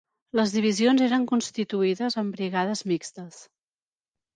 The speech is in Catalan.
Les divisions eren constituïdes amb «brigades mixtes»